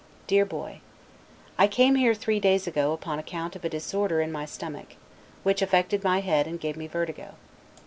DEAR BOY: I came here three days ago upon account of a disorder in my stomach, which affected my head and gave me vertigo.